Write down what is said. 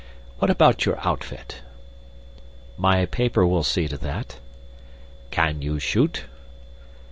What about your outfit?" "My paper will see to that." "Can you shoot?"